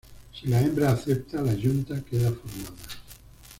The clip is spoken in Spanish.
Si la hembra acepta, la yunta queda formada.